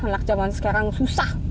alak zaman sekarang susah